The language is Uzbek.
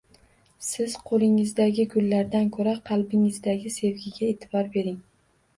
Siz qo‘lingizdagi gullardan ko‘ra qalbingizdagi sevgiga e’tibor bering.